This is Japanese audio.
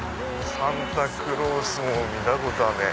サンタクロースも見たことねえ。